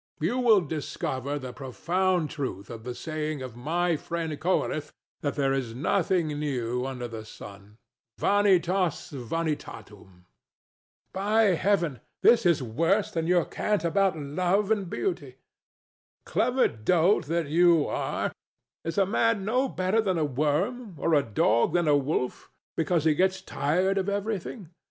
You will discover the profound truth of the saying of my friend Koheleth, that there is nothing new under the sun. Vanitas vanitatum DON JUAN. [out of all patience] By Heaven, this is worse than your cant about love and beauty. Clever dolt that you are, is a man no better than a worm, or a dog than a wolf, because he gets tired of everything?